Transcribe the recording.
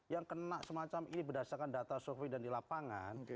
yang kena semacam ini berdasarkan data survei dan di lapangan